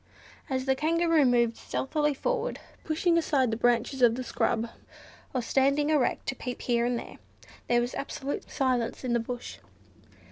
As the Kangaroo moved stealthily forward, pushing aside the branches of the scrub, or standing erect to peep here and there, there was absolute silence in the bush.